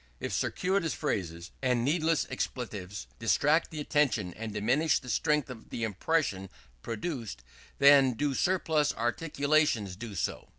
If circuitous phrases and needless expletives distract the attention and diminish the strength of the impression produced, then do surplus articulations do so.